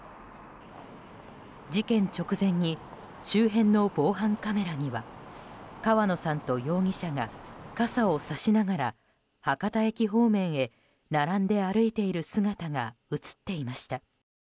事件直前に周辺の防犯カメラには川野さんと容疑者が傘をさしながら博多駅方面へ並んで歩いている姿が映っていました。